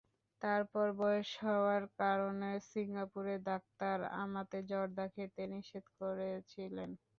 তারপরও বয়স হওয়ার কারণে সিঙ্গাপুরের ডাক্তার আমাকে জর্দা খেতে নিষেধ করেছিলেন।